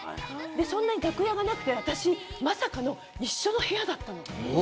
そんなに楽屋がなくて、私まさかの一緒の部屋だったの。